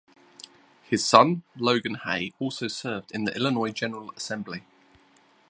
His son Logan Hay also served in the Illinois General Assembly.